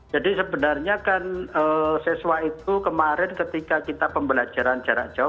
jadi sebenarnya kan siswa itu kemarin ketika kita pembelajaran jarak jauh